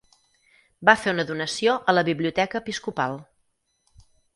Va fer una donació a la biblioteca episcopal.